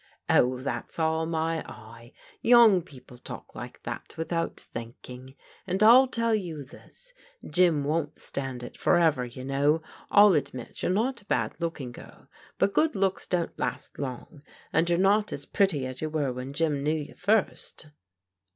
"Oh, that's all my eye; young people talk like that without thinking. And I tell you this, Jim won't stand it forever, you know. I'll admit you're not a bad look ing girl, but good looks don't last long, and you're not as pretty as you were when Jim knew you first."